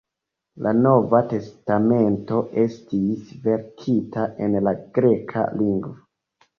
La Nova Testamento estis verkita en la greka lingvo.